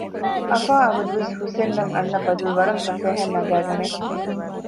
އަފާ އަބަދުވެސް ހުސެންއަށް އަންނަ ބަދަލު ވަރަށް ފަސޭހައިން ނަގައިގަނެ